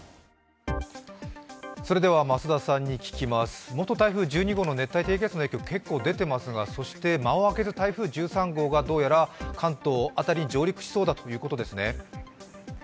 それでは増田さんに聞きます元台風１２号の影響が結構、出てますがそして間を空ける台風１３号がどうやら関東辺りに上陸しそうだということですね。